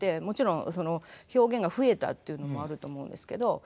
もちろん表現が増えたっていうのもあると思うんですけど。